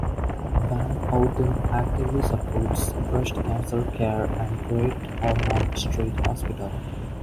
Van Outen actively supports Breast Cancer Care and Great Ormond Street Hospital.